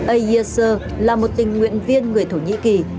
a e s r là một tình nguyện viên người thổ nhĩ kỳ